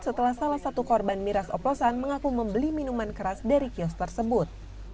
setelah salah satu korban miras oplosan mengaku membeli minuman keras dari kios tersebut